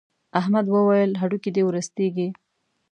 احمد وويل: هډوکي دې ورستېږي.